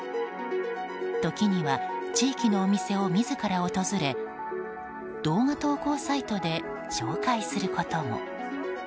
時には地域のお店を自ら訪れ動画投稿サイトで紹介することも。